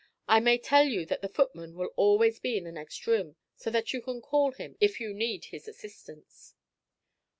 I may tell you that the footman will always be in the next room, so that you can call him if you need his assistance."